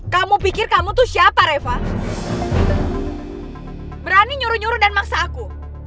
kamu pikir kamu tuh siapa reva berani nyuruh nyuruh dan maksa aku